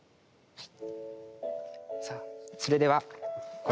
はい。